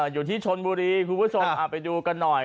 อยู่ที่ชนบุรีคุณผู้ชมไปดูกันหน่อย